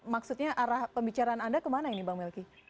maksudnya arah pembicaraan anda kemana ini bang melki